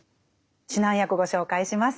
指南役ご紹介します。